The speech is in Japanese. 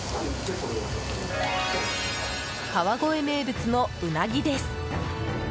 川越名物のうなぎです。